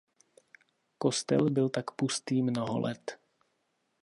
Kostel byl pak pustý mnoho let.